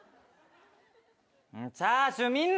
チャーシュー見んな！